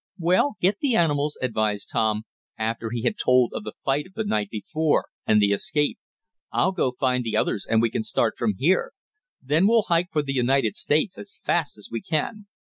"Well, get the animals," advised Tom, after he had told of the fight of the night before, and the escape. "I'll go find the others and we'll start from here. Then we'll hike for the United States as fast as we can."